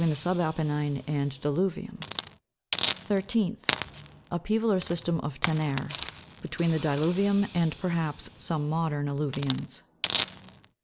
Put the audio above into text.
the subapennine and diluvium. 13lh, ' or system of Tenare, between the diluvium and perhaps some modern alluvions.